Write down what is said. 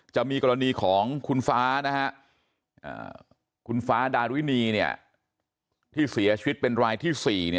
จะมีกรณีของคุณฟ้าคุณฟ้าดารุณีที่เสียชีวิตเป็นรายที่๔